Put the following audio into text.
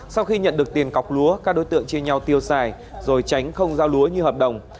sau khi nhận được tiền cọc lúa các đối tượng chia nhau tiêu xài rồi tránh không giao lúa như hợp đồng